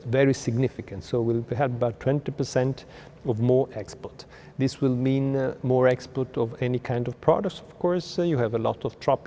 vì vậy sẽ là một lựa chọn tốt hơn